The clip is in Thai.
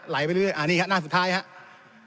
ไหลไปเรื่อยอันนี้ครับหน้าสุดท้ายครับ